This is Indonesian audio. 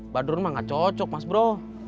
badrun mah nggak cocok mas bro